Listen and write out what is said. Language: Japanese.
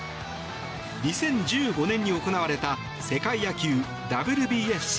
２０１５年に行われた世界野球ＷＢＳＣ